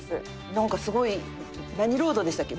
なんかすごい何ロードでしたっけ？